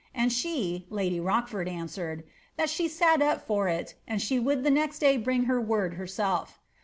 and she (lady Rochford) answered, ' that she sat up for it, and she would the next day bring her word her self.'